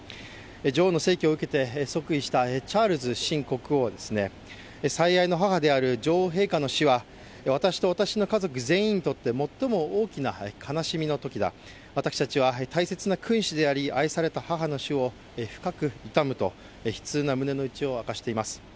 女王の逝去を受けて即位したチャールズ新国王は、最愛の母である女王陛下の死は私と私の家族全員にとって最も大きな悲しみの時だ、私たちは大切な君子であり、愛された母の死を深く悼むと悲痛な胸のうちを明かしています。